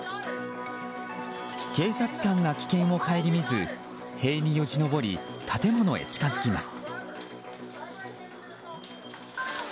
警察官が危険を顧みず塀によじ登り建物へ近づきます。